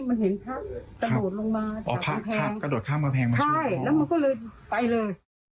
มันเห็นพระกระโดดลงมาอ๋อพระแพงกระโดดข้ามกำแพงมาใช่แล้วมันก็เลยไปเลย